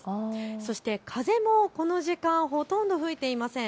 そして風もこの時間、ほとんど吹いていません。